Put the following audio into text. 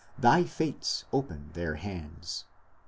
Thy Fates open their hands....